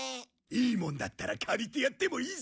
いいもんだったら借りてやってもいいぞ。